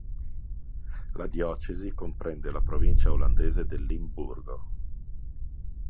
La diocesi comprende la provincia olandese del Limburgo.